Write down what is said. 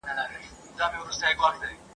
• بدن پاکوي